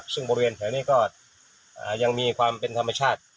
ซึ่งบริเวณแถวนี้ก็ยังมีความเป็นธรรมชาติ